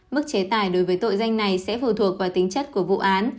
mức chế tài đối với tội danh này sẽ phụ thuộc vào tính chất của vụ án